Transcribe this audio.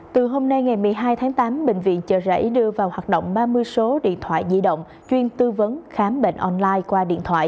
từ hôm nay ngày một mươi hai tháng tám bệnh viện chợ rẫy đưa vào hoạt động ba mươi số điện thoại di động chuyên tư vấn khám bệnh online qua điện thoại